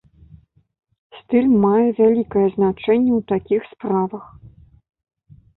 Стыль мае вялікае значэнне ў такіх справах.